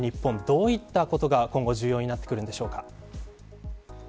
どういったことが今後重要になってくるんでしょうか。